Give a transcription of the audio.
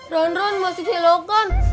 ron ron masih celokan